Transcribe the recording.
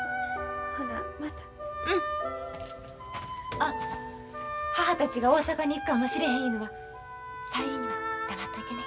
あっ母たちが大阪に行くかもしれへんいうのは小百合には黙っといてね。